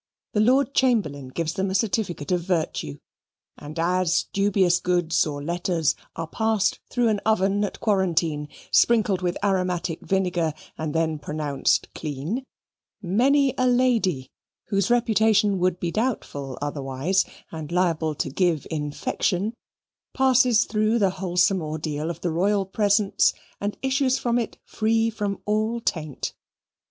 The Lord Chamberlain gives them a certificate of virtue. And as dubious goods or letters are passed through an oven at quarantine, sprinkled with aromatic vinegar, and then pronounced clean, many a lady, whose reputation would be doubtful otherwise and liable to give infection, passes through the wholesome ordeal of the Royal presence and issues from it free from all taint.